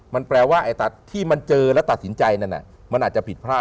มันแปลว่าไอ้ตัดที่มันเจอและตัดสินใจนั้นมันอาจจะผิดพลาด